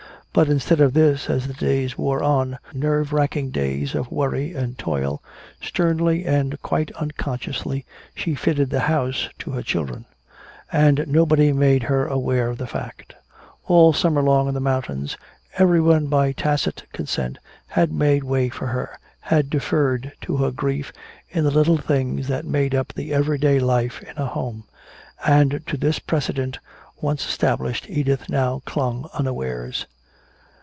But instead of this, as the days wore on, nerve racking days of worry and toil, sternly and quite unconsciously she fitted the house to her children. And nobody made her aware of the fact. All summer long in the mountains, everyone by tacit consent had made way for her, had deferred to her grief in the little things that make up the everyday life in a home. And to this precedent once established Edith now clung unawares.